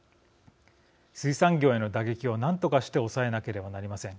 水産業への打撃をなんとかして抑えなければなりません。